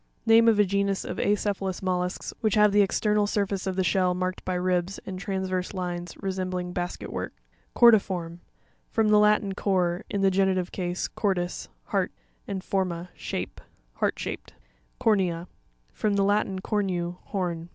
Name of a genus of acephalous mollusks which have the external surface of the shell marked by ribs and_ transverse lines, resembling basket work (page 84). Cor'pirorm.— From the Latin cor, in the genitive case, cordis, heart, and forma, shape. Heart shaped. Cor'NEA.— From the Latin, cornu, horn.